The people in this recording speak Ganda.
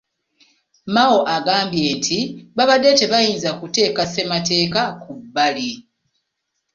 Mao agambye nti babadde tebayinza kuteeka ssemateeka ku bbali.